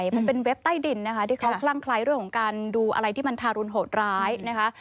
มันเป็นเว็บใต้ดินนะคะที่เขาคลั่งคล้ายเรื่องของการดูอะไรที่มันทารุณโหดร้ายนะคะ